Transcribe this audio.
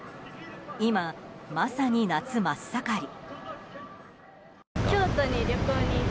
今、まさに夏真っ盛り。